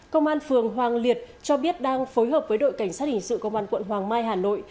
công an phường hoàng liệt cho biết đang phối hợp với đội cảnh sát hình sự công an quận hoàng mai hà nội